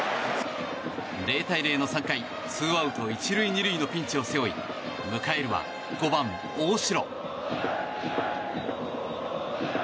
０対０の３回ツーアウト１塁２塁のピンチを背負い迎えるは５番、大城。